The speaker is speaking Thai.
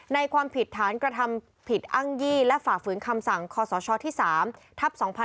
ความผิดฐานกระทำผิดอ้างยี่และฝ่าฝืนคำสั่งคศที่๓ทัพ๒๕๖๒